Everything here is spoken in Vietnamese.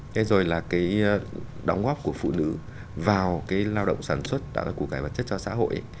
thế rồi là cái đóng góp của phụ nữ vào cái lao động sản xuất tạo của cải vật chất cho xã hội